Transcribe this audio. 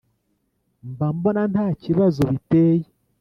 mba mbona ntakibazo biteye